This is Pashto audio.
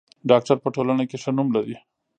ډاکټر په ټولنه کې ښه نوم لري.